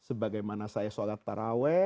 sebagaimana saya sholat berjamaah ketiga tahajud